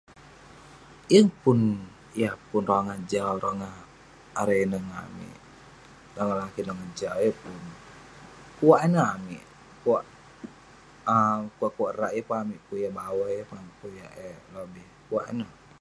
Yeng pun yah pun rongah jau, rongah erei ineh ngan amik. Rongah lakin, rongau jau ; yeng pun. Kuak ineh, kuak um pekuak rak. Yeng pun amik pun yah bawai, yeng pun amik pun eh lobih. Kuak ineh.